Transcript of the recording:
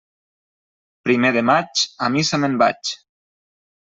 Primer de maig, a missa me'n vaig.